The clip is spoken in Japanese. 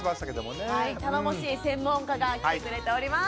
頼もしい専門家が来てくれております。